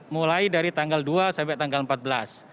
mulai dari tanggal dua sampai tanggal empat belas